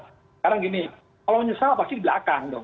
sekarang gini kalau menyesal pasti di belakang dong